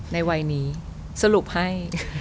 ในวัยนี้สรุปให้